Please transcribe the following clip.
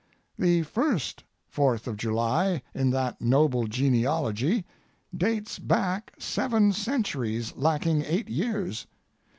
The first Fourth of July in that noble genealogy dates back seven centuries lacking eight years.